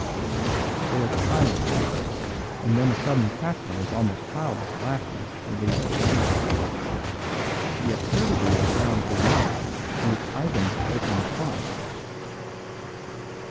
There was a silence, and then a sudden cackle of almost childish laughter relieved the strain. The absurdity of Brown's remark moved Ivan to open taunts.